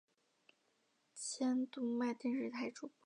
前读卖电视台主播。